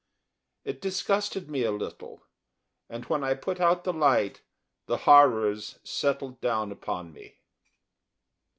It disgusted me a little, and when I put out the light the horrors settled down upon me.